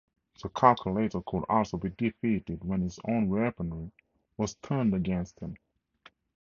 The Calculator could also be defeated when his own weaponry was turned against him.